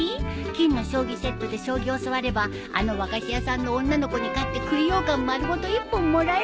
金の将棋セットで将棋教わればあの和菓子屋さんの女の子に勝って栗ようかん丸ごと１本もらえるのに。